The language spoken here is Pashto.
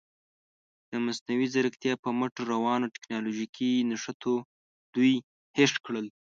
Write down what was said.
د مصنوعي زیرکتیا په مټ روانو تکنالوژیکي نښتو دوی هېښ کړل.